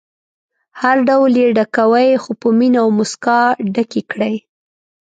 هر ډول یې ډکوئ خو په مینه او موسکا ډکې کړئ.